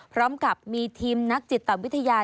พร้อมกับมีทีมนักจิตวิทยา